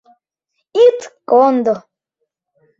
Ит кондо